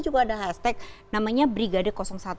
juga ada hashtag namanya brigade satu